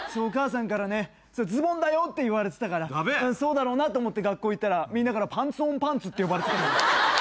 お母さんからね「ズボンだよ」って言われてたからそうだろうなと思って学校行ったらみんなからパンツオンパンツって呼ばれてた。